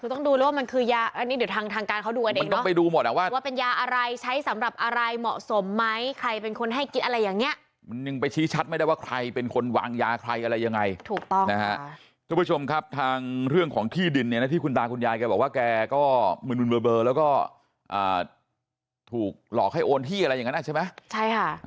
ทุกผู้ชมครับทางเรื่องของที่ดินที่คุณตาคุณยายบอกว่าแกก็มีมืนเบอแล้วก็ถูกหลอกให้โอนที่อะไรใช่ไหมใช่ค่ะ